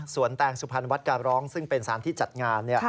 ส่วนแตงสุพรรณวัดการร้องซึ่งเป็นสารที่จัดงาน